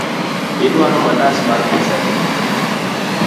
Iduaro mandas mar pesa adi?